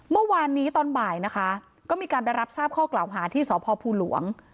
เมื่อวานนี้ตอนบ่ายนะคะก็มีการไปรับทราบข้อกล่าวหาที่สพภูหลวง